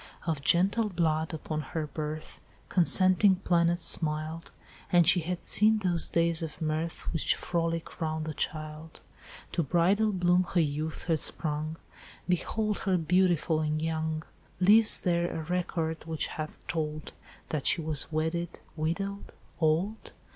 "'Of gentle blood, upon her birth Consenting planets smiled, And she had seen those days of mirth Which frolic round the child: To bridal bloom her youth had sprung, Behold her beautiful and young; Lives there a record which hath told That she was wedded, widowed, old?